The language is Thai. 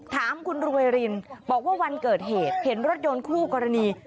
ถามคุณรวยรินบอกว่าวันเกิดเหตุเห็นรถยนต์คู่กรณี